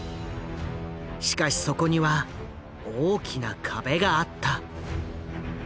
しかしそこには大きな壁があった。